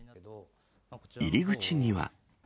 入り口には。